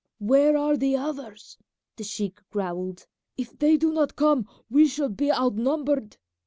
"Where are the others?" the sheik growled; "if they do not come we shall be outnumbered."